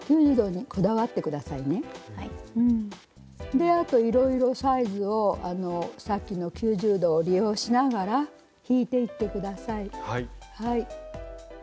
であといろいろサイズをさっきの９０度を利用しながら引いていって下さい。